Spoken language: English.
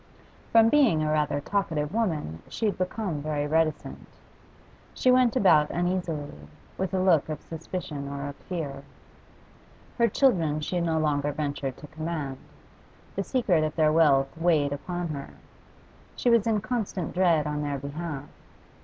From being a rather talkative woman she had become very reticent; she went about uneasily, with a look of suspicion or of fear. Her children she no longer ventured to command; the secret of their wealth weighed upon her, she was in constant dread on their behalf.